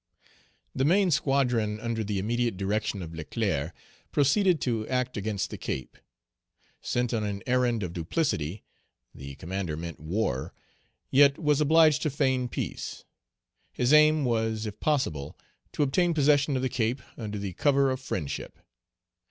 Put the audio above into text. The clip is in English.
THE main squadron, under the immediate direction of Leclerc, proceeded to act against the Cape. Sent on an errand of duplicity, the commander meant war, yet was obliged to feign peace. His aim was, if possible, to obtain possession of the Cape, under the cover of friendship.